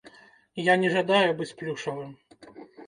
Я не жадаю быць плюшавым.